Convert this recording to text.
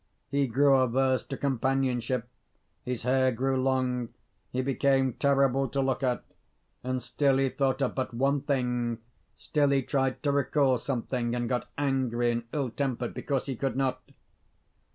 He grew averse to companionship, his hair grew long, he became terrible to look at; and still he thought of but one thing, still he tried to recall something, and got angry and ill tempered because he could not.